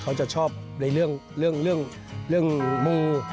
เขาจะชอบในเรื่องมู